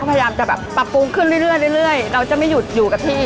พยายามจะแบบปรับปรุงขึ้นเรื่อยเราจะไม่หยุดอยู่กับที่